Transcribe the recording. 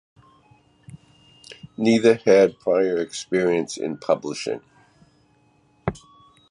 Neither had prior experience in publishing.